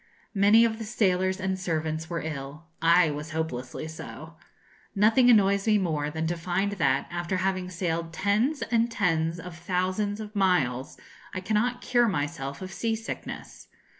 Many of the sailors and servants were ill. I was hopelessly so. Nothing annoys me more than to find that, after having sailed tens and tens of thousands of miles, I cannot cure myself of sea sickness.